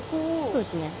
そうですね。